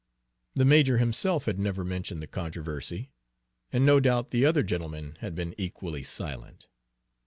The major himself had never mentioned the controversy, and no doubt the other gentlemen had been equally silent.